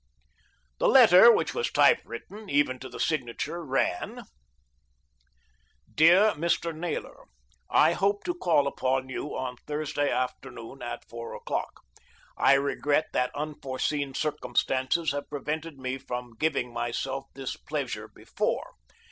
The letter which was typewritten, even to the signature, ran: 'DEAR MR. NAYLOR, "I hope to call upon you on Thursday afternoon at four o'clock. I regret that unforseen circumstances have prevented me from giving myself this pleasure before.